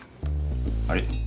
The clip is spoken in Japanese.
あれ？